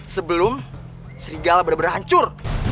sebelum serigala bener bener hancur